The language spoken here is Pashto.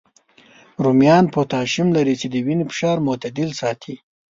رومیان پوتاشیم لري، چې د وینې فشار معتدل ساتي